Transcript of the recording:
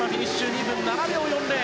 ２分７秒４０。